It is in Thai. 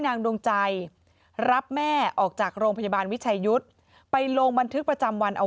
ดวงใจรับแม่ออกจากโรงพยาบาลวิชัยยุทธ์ไปลงบันทึกประจำวันเอา